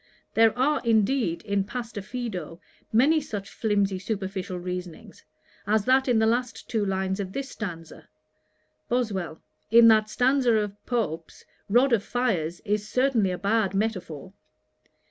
There are, indeed, in Pastor Fido, many such flimsy superficial reasonings, as that in the last two lines of this stanza. BOSWELL. 'In that stanza of Pope's, "rod of fires" is certainly a bad metaphor.'